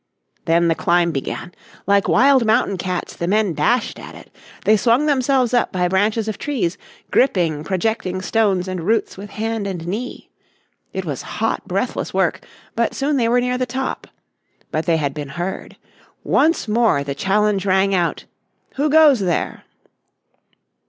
Then the climb began. Like wild mountain cats the men dashed at it. They swung themselves up by branches of trees, gripping projecting stones and roots with hand and knee. It was hot, breathless work, but soon they were near the top. But they had been heard. Once more the challenge rang out, "Who goes there?"